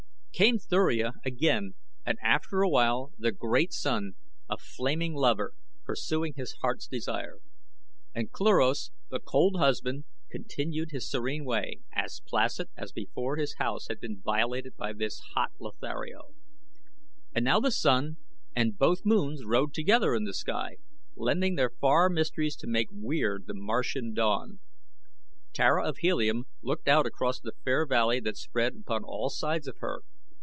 Came Thuria again and after awhile the great Sun a flaming lover, pursuing his heart's desire. And Cluros, the cold husband, continued his serene way, as placid as before his house had been violated by this hot Lothario. And now the Sun and both Moons rode together in the sky, lending their far mysteries to make weird the Martian dawn. Tara of Helium looked out across the fair valley that spread upon all sides of her.